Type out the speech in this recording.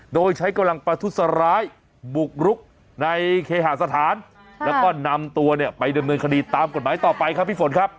โดยใช้กำลังประทุษร้ายบุกรุกในเคหาสถานแล้วก็นำตัวเนี่ยไปดำเนินคดีตามกฎหมายต่อไปครับพี่ฝนครับ